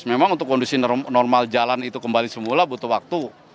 memang untuk kondisi normal jalan itu kembali semula butuh waktu